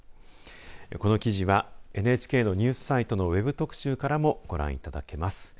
この記事はＮＨＫのニュースサイトのＷＥＢ特集からもご覧いただけます。